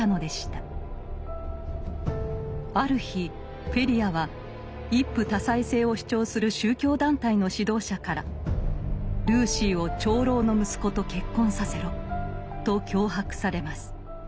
ある日フェリアは一夫多妻制を主張する宗教団体の指導者から「ルーシーを長老の息子と結婚させろ」と脅迫されます。